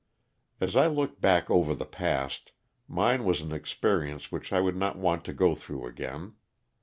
As I look back over the past, mine was an experience which I would not want to go through again.